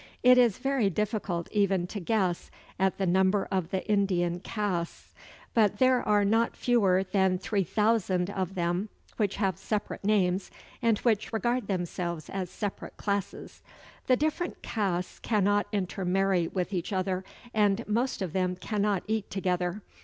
It is very difficult even to guess at the number of the Indian castes. But there are not fewer than 3,000 of them which have separate names, and which regard themselves as separate classes. The different castes cannot intermarry with each other, and most of them cannot eat together.